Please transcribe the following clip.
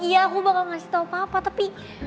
iya aku bakal ngasih tau papa tapi